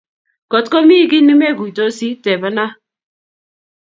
kot komi kii ne meguitosi tebena